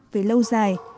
về lâu dài